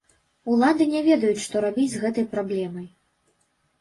Улады не ведаюць, што рабіць з гэтай праблемай.